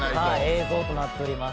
「映像となっております」